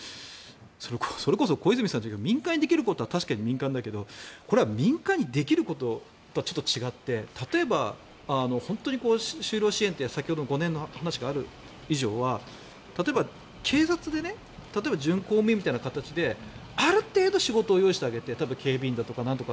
それこそ小泉さんじゃないけど民間にできることは確かに民間だけどこれは民間にできることとはちょっと違って例えば、本当に就労支援って先ほど５年の話がある以上例えば、警察で準公務員みたいな形である程度、仕事を用意してあげて例えば警備員だとか。